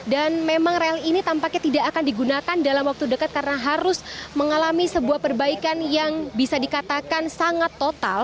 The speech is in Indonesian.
dan memang rel ini tampaknya tidak akan digunakan dalam waktu dekat karena harus mengalami sebuah perbaikan yang bisa dikatakan sangat total